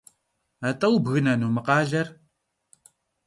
At'e vubgınenu mı khaler?